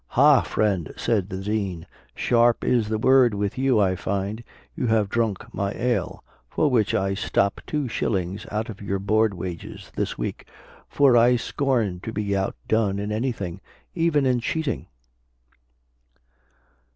"Ha, friend," said the Dean, "sharp is the word with you, I find: you have drunk my ale, for which I stop two shillings out of your board wages this week, for I scorn to be outdone in any thing, even in cheating."